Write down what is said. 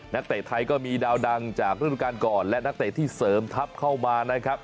เตะไทยก็มีดาวดังจากฤดูการก่อนและนักเตะที่เสริมทัพเข้ามานะครับ